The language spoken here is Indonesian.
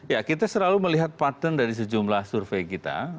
ya kita selalu melihat pattern dari sejumlah survei kita